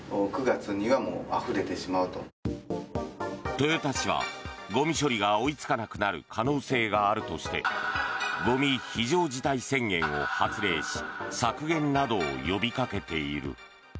豊田市はゴミ処理が追いつかなくなる可能性があるとしてごみ非常事態宣言を発令し削減などを呼びかけている。